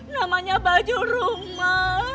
namanya baju rumah